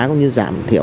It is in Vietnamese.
cũng như giảm thiểu